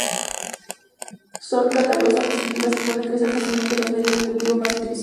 Son catalasa-positivas y pueden crecer fácilmente en los medios de cultivo más utilizados.